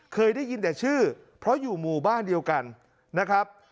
เคยได้ยินแต่ชื่อเพราะอยู่หมู่บ้านเดียวกันนะครับ